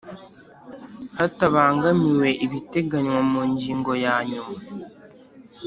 Hatabangamiwe ibiteganywa mu ngingo ya yanyuma